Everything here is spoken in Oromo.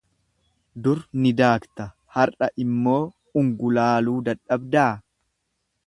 Dur ni daakta har'a immoo ungulaaluu dadhabdaa?